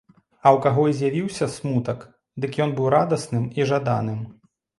А ў каго і з'явіўся смутак, дык быў ён радасным і жаданым.